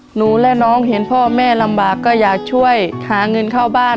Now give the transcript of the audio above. หนูและน้องเห็นพ่อแม่ลำบากก็อยากช่วยหาเงินเข้าบ้าน